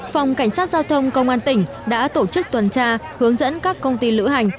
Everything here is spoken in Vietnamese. phòng cảnh sát giao thông công an tỉnh đã tổ chức tuần tra hướng dẫn các công ty lữ hành